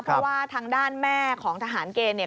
เพราะว่าทางด้านแม่ของทหารเกณฑ์เนี่ย